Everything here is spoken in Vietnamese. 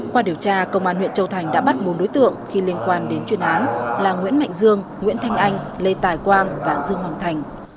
qua điều tra công an huyện châu thành đã bắt bốn đối tượng khi liên quan đến chuyên án là nguyễn mạnh dương nguyễn thanh anh lê tài quang và dương hoàng thành